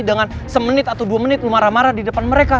dengan semenit atau dua menit marah marah di depan mereka